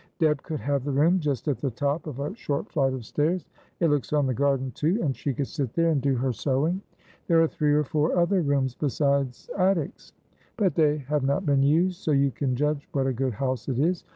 Deb could have the room just at the top of a short flight of stairs; it looks on the garden, too, and she could sit there and do her sewing. There are three or four other rooms besides attics, but they have not been used, so you can judge what a good house it is.